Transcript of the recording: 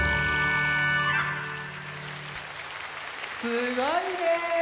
すごいね。